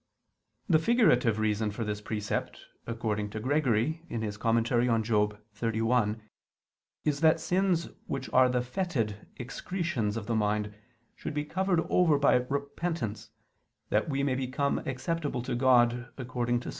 The figurative reason for this precept, according to Gregory (Moral. xxxi), is that sins which are the fetid excretions of the mind should be covered over by repentance, that we may become acceptable to God, according to Ps.